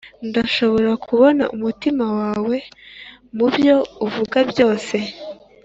ndashobora kubona umutima wawe mubyo uvuga byose